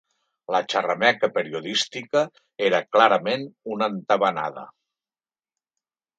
La xerrameca periodística era clarament una entabanada